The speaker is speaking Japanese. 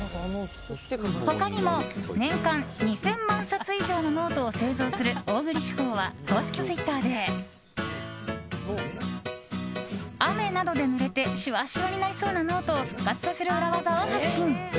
他にも、年間２０００万冊以上のノートを製造する大栗紙工は公式ツイッターで雨などでぬれてしわしわになりそうなノートを復活させる裏技を発信。